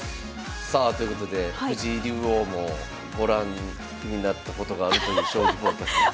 さあということで藤井竜王もご覧になったことがあるという「将棋フォーカス」です。